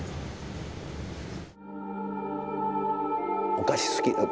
お菓子好き。